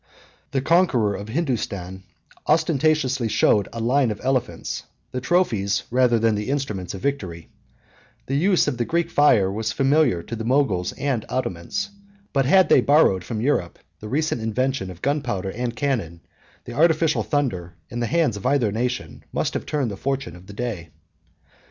The conqueror of Hindostan ostentatiously showed a line of elephants, the trophies, rather than the instruments, of victory; the use of the Greek fire was familiar to the Moguls and Ottomans; but had they borrowed from Europe the recent invention of gunpowder and cannon, the artificial thunder, in the hands of either nation, must have turned the fortune of the day.